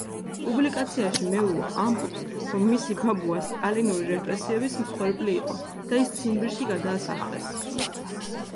პუბლიკაციაში მელუა ამბობს, რომ მისი ბაბუა სტალინური რეპრესიების მსხვერპლი იყო და ის ციმბირში გადაასახლეს.